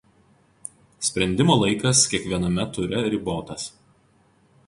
Sprendimo laikas kiekviename ture ribotas.